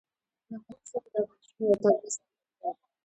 لمریز ځواک د افغانستان یوه طبیعي ځانګړتیا ده.